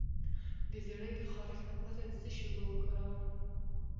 د زیړي د خارښ لپاره د څه شي اوبه وکاروم؟